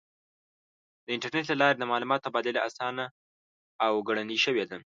د انټرنیټ له لارې د معلوماتو تبادله آسانه او ګړندۍ شوې ده.